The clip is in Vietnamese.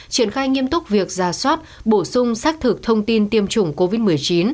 triển khai nghiêm túc việc ra soát bổ sung xác thực thông tin tiêm chủng covid một mươi chín